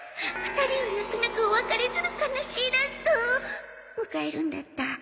２人は泣く泣くお別れする悲しいラストを迎えるんだった